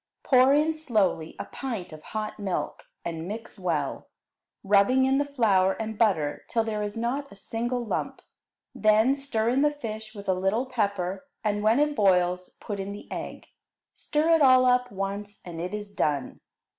Pour in slowly a pint of hot milk, and mix well, rubbing in the flour and butter till there is not a single lump. Then stir in the fish with a little pepper, and when it boils put in the egg. Stir it all up once, and it is done.